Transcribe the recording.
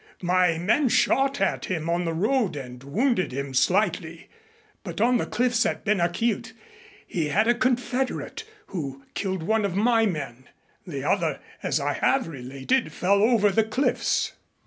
My men shot at him on the road and wounded him slightly but on the cliffs at Ben a Chielt he had a confederate who killed one of my men. The other, as I have related, fell over the cliffs."